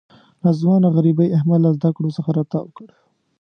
ناځوانه غریبۍ احمد له زده کړو څخه را تاو کړ.